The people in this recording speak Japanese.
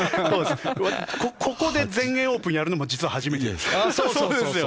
ここで全英オープンをやるのも実は初めてです。